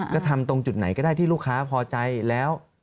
ก็ทำตรงจุดไหนก็ได้ที่ลูกค้าพอใจแล้ว